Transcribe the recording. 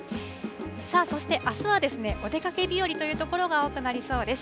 そして、あすはお出かけ日和という所が多くなりそうです。